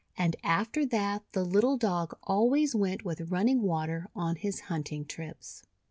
And after that the little Dog always went with Running Water on his hunting trips.